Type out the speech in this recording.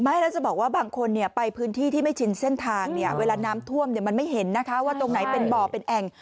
ไม่แล้วจะบอกว่าบางคนไปพื้นที่ที่ไม่ชินเส้นทางเนี่ยเวลาน้ำท่วมมันไม่เห็นนะคะว่าตรงไหนเป็นบ่อเป็นแอ่ง